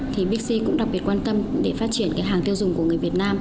thì pixi cũng đặc biệt quan tâm để phát triển hàng tiêu dùng của người việt nam